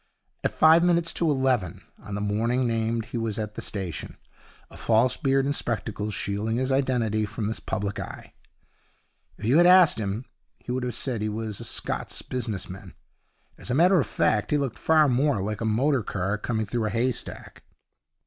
At five minutes to eleven on the morning named he was at the station, a false beard and spectacles shielding his identity from the public eye. If you had asked him he would have said that he was a Scotch business man. As a matter of fact, he looked far more like a motor car coming through a haystack.